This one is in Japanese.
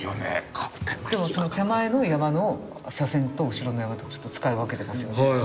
でもその手前の山の斜線と後ろの山とちょっと使い分けてますよね。